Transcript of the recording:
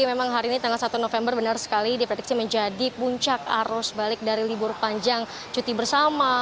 memang hari ini tanggal satu november benar sekali diprediksi menjadi puncak arus balik dari libur panjang cuti bersama